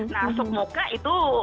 nah semoga itu